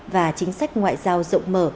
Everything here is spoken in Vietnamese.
và chính sách ngoại giao rộng mở